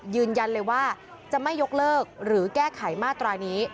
ยืนยันเลยว่าจะไม่ยกเลิกหรือแก้ไขมาตรานี้